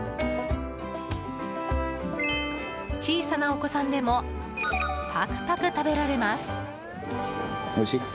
小さなお子さんでもぱくぱく食べられます。